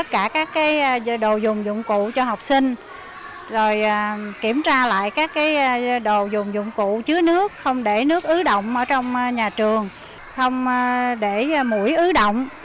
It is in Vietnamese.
các dụng cụ sinh hoạt dụng cụ chứa nước không để nước ứ động trong nhà trường không để mũi ứ động